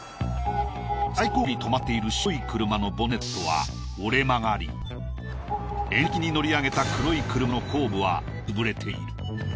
最後尾に止まっている白い車のボンネットは折れ曲がり縁石に乗り上げた黒い車の後部は潰れている。